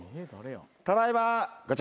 ただいまガチャ。